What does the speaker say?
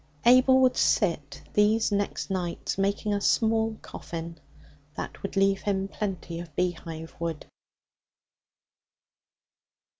Abel would sit, these next nights, making a small coffin that would leave him plenty of beehive wood.